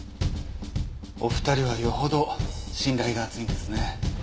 お二人はよほど信頼が厚いんですね。